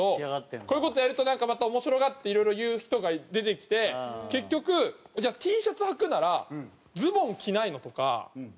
こういう事やるとなんかまた面白がっていろいろ言う人が出てきて結局「じゃあＴシャツはくならズボン着ないの？」とか。